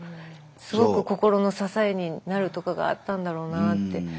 すごく心の支えになるとこがあったんだろうなって。